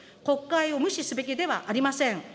国会を無視すべきではありません。